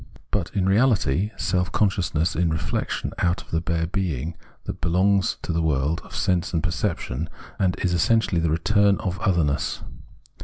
But, in reality, self consciousness is reflexion out of the bare being that belongs to the world of sense and perception, and is essentially the return out of otherness.